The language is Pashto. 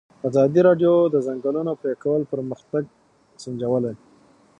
ازادي راډیو د د ځنګلونو پرېکول پرمختګ سنجولی.